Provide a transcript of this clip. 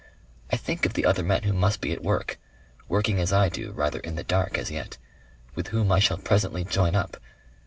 I think of the other men who must be at work. Working as I do rather in the dark as yet. With whom I shall presently join up...